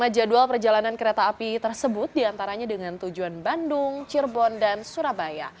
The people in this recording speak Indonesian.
lima jadwal perjalanan kereta api tersebut diantaranya dengan tujuan bandung cirebon dan surabaya